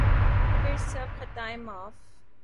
پھر سب خطائیں معاف۔